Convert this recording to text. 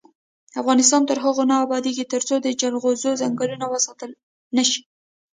افغانستان تر هغو نه ابادیږي، ترڅو د جلغوزو ځنګلونه وساتل نشي.